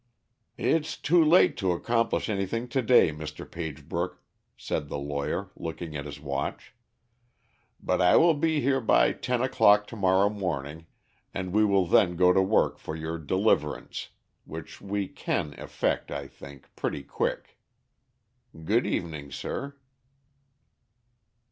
"It's too late to accomplish anything to day, Mr. Pagebrook," said the lawyer, looking at his watch; "but I will be here by ten o'clock to morrow morning, and we will then go to work for your deliverance, which we can effect, I think, pretty quick. Good evening, sir."